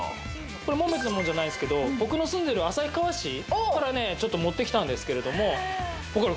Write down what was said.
これ紋別のもんじゃないですけど僕の住んでる旭川市から持ってきたんですけれどもわかる？